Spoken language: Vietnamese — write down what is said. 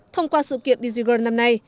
thông qua sự kiện digiground năm nay